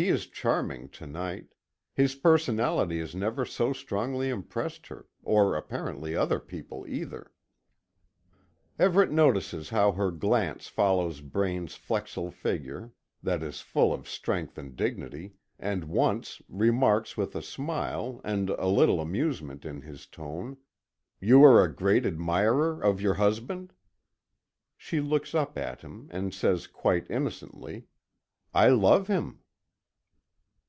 He is charming to night. His personality has never so strongly impressed her, or apparently other people either. Everet notices how her glance follows Braine's flexile figure, that is full of strength and dignity, and once, remarks with a smile, and a little amusement in his tone: "You are a great admirer of your husband?" She looks up at him, and says quite innocently, "I love him."